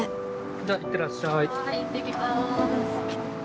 じゃあいってらっしゃい。